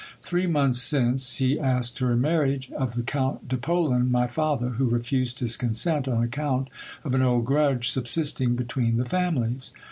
Three months since, he asked her in marriage of the Count de Pclan, my father, who refused his consent on account of an old grudge subsist ing between the families.